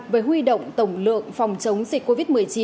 về huy động tổng lượng phòng chống dịch covid một mươi chín